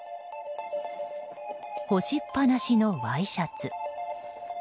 干しっ放しのワイシャツ。